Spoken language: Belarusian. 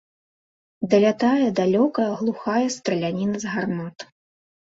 Далятае далёкая глухая страляніна з гармат.